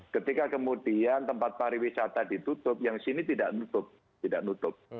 ketika kemudian tempat pariwisata ditutup yang sini tidak nutup